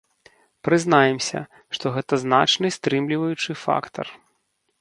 Прызнаемся, што гэта значны стрымліваючы фактар.